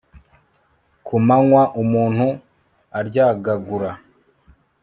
ku manywa umuntu aryagagura